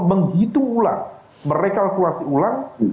menghitung ulang merekalkulasi ulang